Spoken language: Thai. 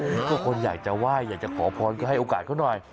ทุกคนอยากจะไหว้อยากจะขอพรก็ให้โอกาสเขาหน่อย